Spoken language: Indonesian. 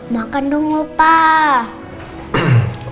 makan dong opah